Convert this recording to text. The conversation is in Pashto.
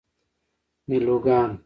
میلوگان